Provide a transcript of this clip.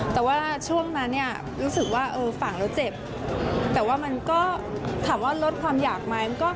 แต่ว่าช่วงนั้นเนี่ยรู้สึกว่าฝั่งเราเจ็บแต่ว่ามันก็ถามว่าลดความอยากไหม